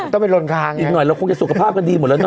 ต้องไปลนคางอีกหน่อยเราคงจะสุขภาพกันดีหมดแล้วเน